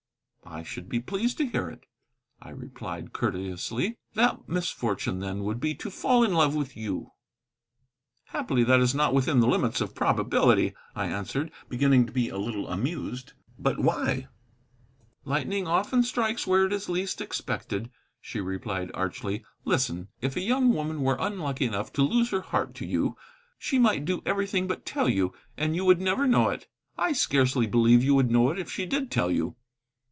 "I should be pleased to hear it," I replied courteously. "That misfortune, then, would be to fall in love with you." "Happily that is not within the limits of probability," I answered, beginning to be a little amused. "But why?" "Lightning often strikes where it is least expected," she replied archly. "Listen. If a young woman were unlucky enough to lose her heart to you, she might do everything but tell you, and you would never know it. I scarcely believe you would know it if she did tell you."